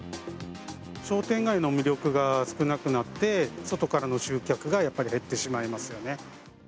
商店街の魅力が少なくなって、外からの集客がやっぱり減ってしまいますよね。